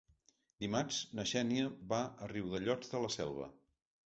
Dimarts na Xènia va a Riudellots de la Selva.